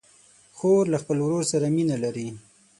خور له خپل ورور سره مینه لري.